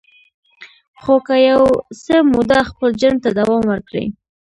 خو که يو څه موده خپل جرم ته دوام ورکړي.